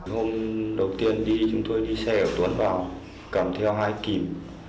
hôm đầu tiên đi chúng tôi đi xe ở tuấn vào cầm theo hai kìm